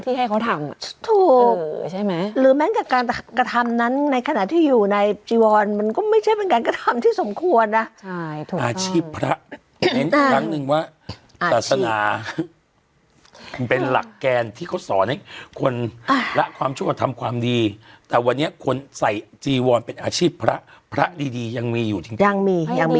ให้เขาทำอ่ะถูกใช่ไหมหรือแม้งกับการกระทำนั้นในขณะที่อยู่ในจีวรมันก็ไม่ใช่เป็นการกระทำที่สมควรนะใช่ถูกอาชีพพระเน้นอีกครั้งนึงว่าศาสนาเป็นหลักแกนที่เขาสอนให้คนละความชั่วทำความดีแต่วันนี้คนใส่จีวรเป็นอาชีพพระพระดีดียังมีอยู่จริงยังมียังมี